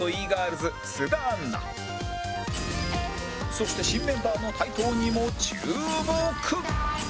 そして新メンバーの台頭にも注目！